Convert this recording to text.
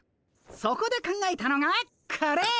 そこで考えたのがこれ。